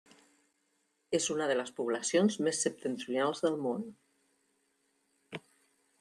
És una de les poblacions més septentrionals del món.